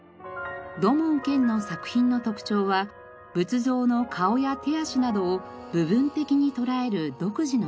土門拳の作品の特徴は仏像の顔や手足などを部分的に捉える独自の視点。